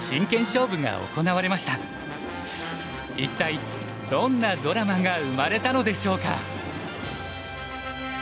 一体どんなドラマが生まれたのでしょうか？